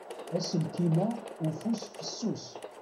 Aselkim-a ufus fessus.